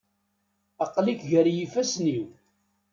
Aql-ik gar yifassen-iw.